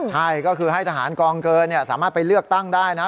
ใช่ก็คือให้ทหารกองเกินสามารถไปเลือกตั้งได้นะ